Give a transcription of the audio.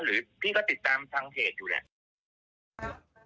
หรือพี่ก็ติดตามทางเพจอยู่แหละ